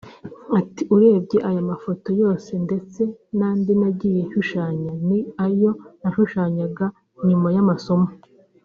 Ati “ Urebye aya mafoto yose ndetse n’andi nagiye nshushanya ni ayo nashushanyaga nyuma y’amasomo